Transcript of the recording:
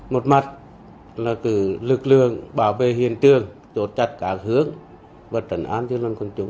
một mặt là từ lực lượng bảo vệ hiện trường chốt chặt các hướng và trận án cho lòng quân chúng